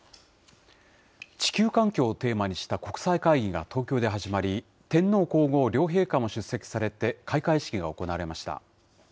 地球環境をテーマにした国際会議が東京で始まり、天皇皇后両陛下も出席されて開会式が行われました。